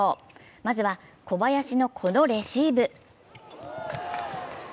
まずは、小林のこのレシーブ。